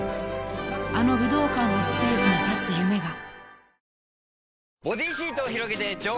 ［あの武道館のステージに立つ夢が］